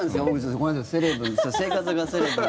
ごめんなさい。